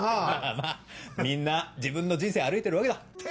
まぁみんな自分の人生歩いてるわけだ。